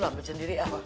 lu hampir sendiri apa